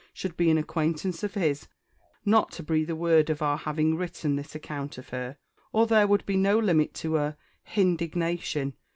should be an acquaintance of his, not to breathe a word of our having written this account of her or there would be no limit to her "_h_indignation."